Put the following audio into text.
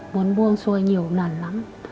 muốn buông xuôi nhiều nặng lắm